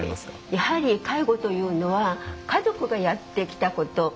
やはり介護というのは家族がやってきたこと